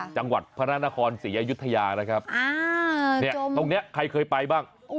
จังหวัดพระนครศรีอยุธยานะครับเนี่ยตรงนี้ใครเคยไปบ้าง